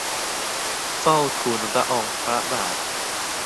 เฝ้าทูลละอองพระบาท